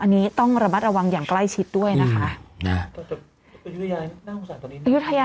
อันนี้ต้องระมัดระวังอย่างใกล้ชิดด้วยนะคะ